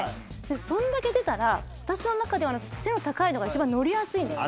そんだけ出たら私の中では背の高いのが一番乗りやすいんですよ